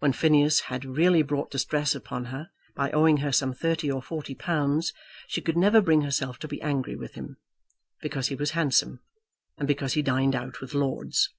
When Phineas had really brought distress upon her by owing her some thirty or forty pounds, she could never bring herself to be angry with him, because he was handsome and because he dined out with Lords.